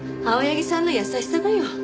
青柳さんの優しさだよ。